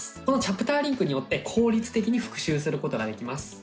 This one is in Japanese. このチャプターリンクによって効率的に復習することができます。